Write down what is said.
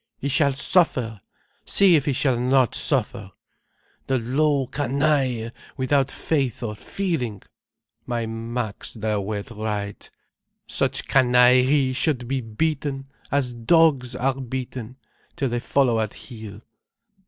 He shall suffer. See if he shall not suffer. The low canaille, without faith or feeling. My Max, thou wert right. Ah, such canaille should be beaten, as dogs are beaten, till they follow at heel.